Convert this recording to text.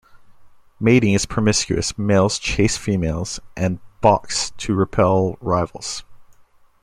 Mating is promiscuous; males chase females, and box to repel rivals.